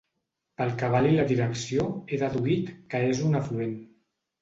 Pel cabal i la direcció he deduït que és un afluent.